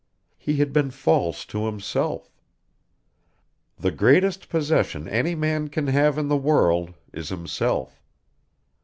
He had been false to himself. The greatest possession any man can have in the world is himself.